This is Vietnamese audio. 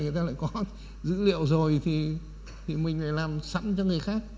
người ta lại có dữ liệu rồi thì mình lại làm sẵn cho người khác